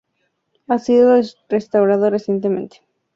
Ha sido restaurado recientemente.